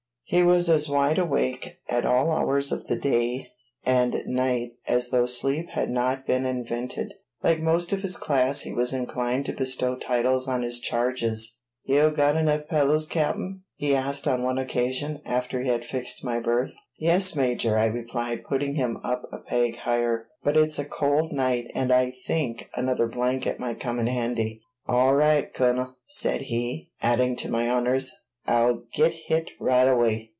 He was as wide awake at all hours of the day and night as though sleep had not been invented. Like most of his class, he was inclined to bestow titles on his charges. "Yo' got enough pillows, Cap'n?" he asked on one occasion, after he had fixed my berth. "Yes, Major," I replied, putting him up a peg higher. "But it's a cold night, and I think another blanket might come in handy." "All right, Cunnel," said he, adding to my honors. "I'll git hit right away."